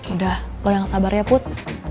udah lo yang sabar ya put